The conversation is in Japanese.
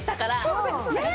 そうですね。